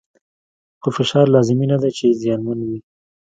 خو فشار لازمي نه دی چې زیانمن وي.